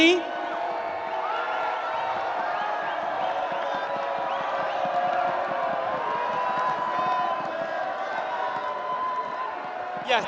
dan ibu silvana murni